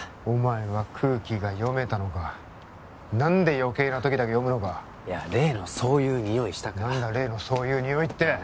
お前は空気が読めたのか何で余計な時だけ読むのかいや例のそういうニオイしたから何だ例のそういうニオイって！